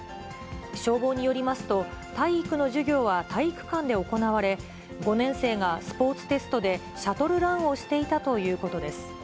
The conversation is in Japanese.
消防によりますと、体育の授業は体育館で行われ、５年生がスポーツテストでシャトルランをしていたということです。